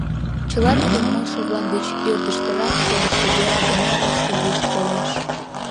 Чыла тидым модшо-влак деч ӧрдыжтырак шогышо Вера гына раш ужеш-колеш.